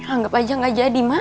anggap aja gak jadi mak